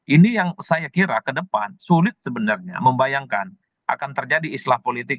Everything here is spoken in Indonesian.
ini yang saya kira ke depan sulit sebenarnya membayangkan akan terjadi islah politik